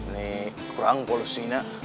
nih kurang polusinya